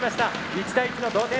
１対１の同点。